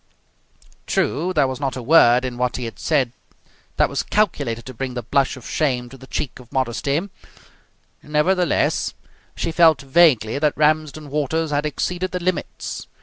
True, there was not a word in what he had said that was calculated to bring the blush of shame to the cheek of modesty; nevertheless, she felt vaguely that Ramsden Waters had exceeded the limits.